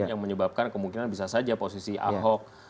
yang menyebabkan kemungkinan bisa saja posisi ahok